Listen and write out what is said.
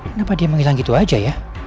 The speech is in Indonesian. kenapa dia menghilang gitu aja ya